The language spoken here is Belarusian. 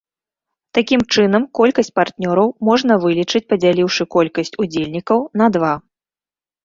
Такім чынам колькасць партнёраў можна вылічыць, падзяліўшы колькасць удзельнікаў на два.